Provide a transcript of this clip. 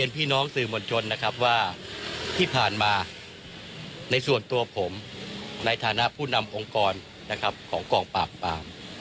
ทุกคนนะครับของกองปากปาม